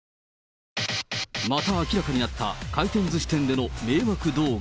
また明らかになった回転ずし店での迷惑動画。